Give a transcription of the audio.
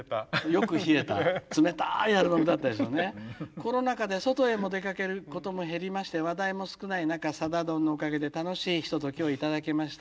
「コロナ禍で外へも出かけることも減りまして話題も少ない中『さだ丼』のおかげで楽しいひとときを頂きました。